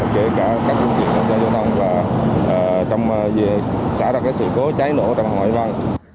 kể cả các công ty tham gia cho thông xả ra sự cố cháy lỗ trong hầm hải vân